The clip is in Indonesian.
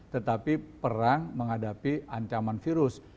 tetapi perang menghadapi ancaman virus